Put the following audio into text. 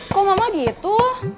kok mama gitu